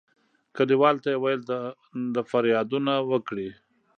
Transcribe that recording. کلیوالو ته یې ویل د فریادونه وکړي.